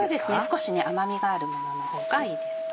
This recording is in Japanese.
少し甘みがあるものの方がいいですね。